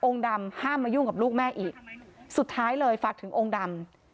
ดำห้ามมายุ่งกับลูกแม่อีกสุดท้ายเลยฝากถึงองค์ดำ